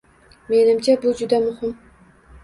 Menimcha, bu juda muhim.